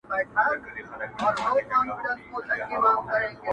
چي قلا د یوه ورور یې آبادیږي!!